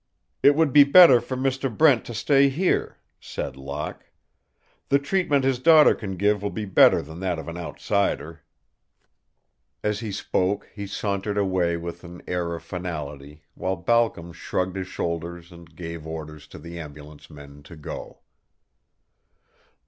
"It would be better for Mr. Brent to stay here," said Locke. "The treatment his daughter can give will be better than that of an outsider." As he spoke he sauntered away with an air of finality, while Balcom shrugged his shoulders and gave orders to the ambulance men to go.